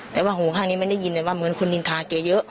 แต่ว่าหัวข้างนี้มันได้ยินว่าเหมือนคนลินทาเกรียร์เยอะ